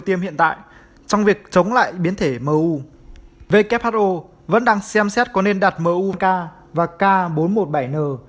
tiêm hiện tại trong việc chống lại biến thể mou who vẫn đang xem xét có nên đặt mou k và k bốn trăm một mươi bảy n